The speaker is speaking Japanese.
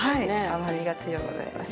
甘みが強うございます。